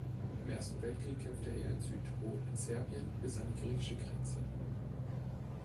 Im Ersten Weltkrieg kämpfte er in Südtirol, in Serbien bis an die griechische Grenze.